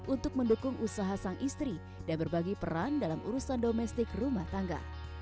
untuk mendukung usaha sang istri dan berbagi peran dalam urusan domestik rumah tangga